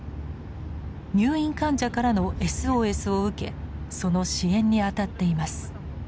入院患者からのＳＯＳを受けその支援にあたっています。